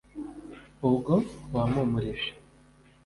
ubwo wampumurije